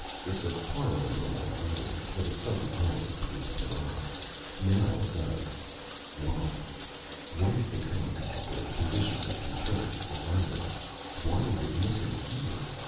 It's a part of a normal environment, but it doesn't normally produce paras. Now it does! Why? What is the compound or the condition that controls its abundance? Why is it missing here?